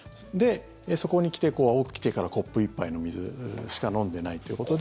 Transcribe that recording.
そこに来て、起きてからコップ１杯の水しか飲んでないということで。